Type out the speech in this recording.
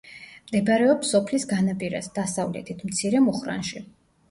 მდებარეობს სოფლის განაპირას, დასავლეთით, მცირე მუხნარში.